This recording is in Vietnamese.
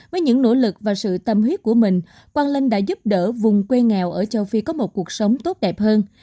với những nỗ lực và sự tâm huyết của mình quang linh đã giúp đỡ vùng quê nghèo ở châu phi có một cuộc sống tốt đẹp hơn